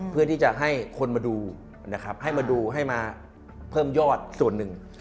เพื่อที่จะให้คนมาดูนะครับให้มาดูให้มาเพิ่มยอดส่วนหนึ่ง